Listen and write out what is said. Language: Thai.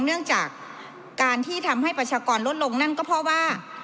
เนื่องจากการที่ทำให้ประชากรลดลงนั่นก็เพราะว่า